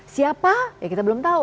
siapa ya kita belum tahu